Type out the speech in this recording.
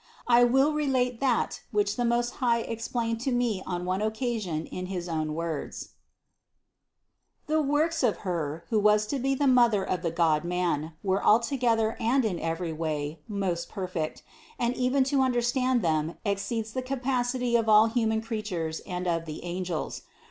I will relate that, which the Most High explained to me on one occasion in his own words: 464. "The works of Her, who was to be the Mother of the Godman, were altogether and in every way most per fect, and even to understand them exceeds the capacity of all human creatures and of the angels.